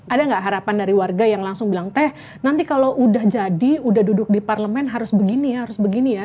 ada gak harapan dari warga yang langsung bilang teh nanti kalau udah jadi udah duduk di parlemen harus begini ya harus begini ya